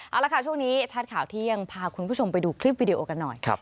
เอาละค่ะช่วงนี้ชัดข่าวเที่ยงพาคุณผู้ชมไปดูคลิปวิดีโอกันหน่อย